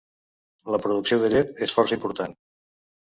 La producció de llet és força important.